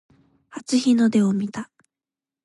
初日の出を見た